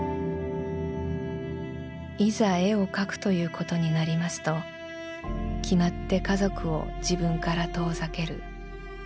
「いざ絵を描くということになりますときまって家族を自分から遠ざける。